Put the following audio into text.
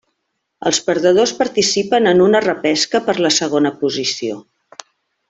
Els perdedors participen en una repesca per la segona posició.